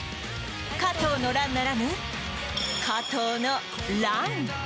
加藤の乱ならぬ、加藤のラン。